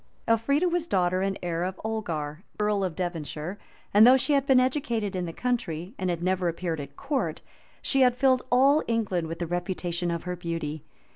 Elfrida was daughter and heir of Olgar, earl of Devonshire; and though she had been educated in the country, and had never appeared at court, she had filled all England with the reputation of her beauty.